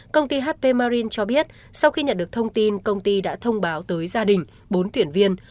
công ty hp marin cho biết sau khi nhận được thông tin công ty đã thông báo tới gia đình bốn tuyển viên